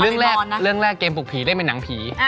เรื่องแรกเรื่องแรกเกมปลูกผีได้เป็นหนังผี